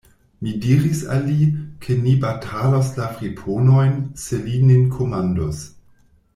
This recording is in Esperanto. Mi diris al li, ke ni batalos la friponojn, se li nin komandus.